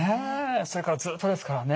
それからずっとですからね